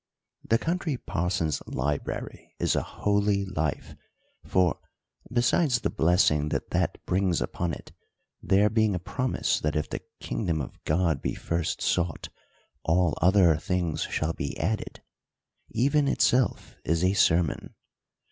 The Country Parson's library is a holy life ; for (besides the blessing that that brings upon it, — there being a promise, that if the kingdom of God be first sought, all other things shall be added) even itself is a sermon.